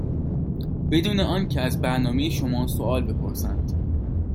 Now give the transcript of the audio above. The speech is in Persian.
بدون آنکه از برنامه شما سوال بپرسند.